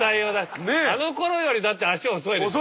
あのころよりだって足遅いでしょ？